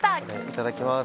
いただきます。